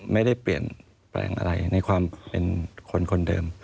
ไม่ได้เปลี่ยนแปลงอะไรในความเป็นคนคนเดิม